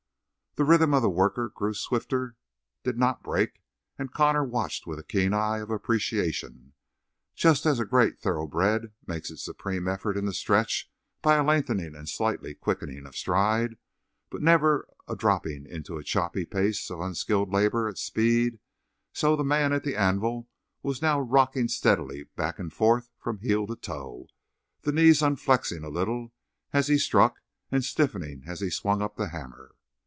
The rhythm of the worker grew swifter, did not break, and Connor watched with a keen eye of appreciation. Just as a great thoroughbred makes its supreme effort in the stretch by a lengthening and slight quickening of stride, but never a dropping into the choppy pace of unskilled labor at speed, so the man at the anvil was now rocking steadily back and forth from heel to toe, the knees unflexing a little as he struck and stiffening as he swung up the hammer.